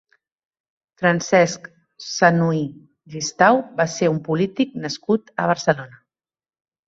Francesc Sanuy Gistau va ser un polític nascut a Barcelona.